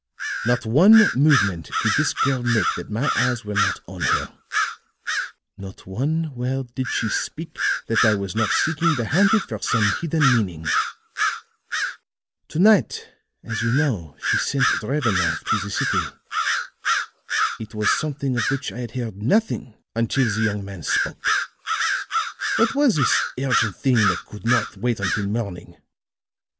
Not one movement did this girl make that my eyes were not on her; not one word did she speak that I was not seeking behind it for some hidden meaning. "To night, as you know, she sent Drevenoff to the city. It was something of which I had heard nothing until the young man spoke. What was this urgent thing that could not wait until morning?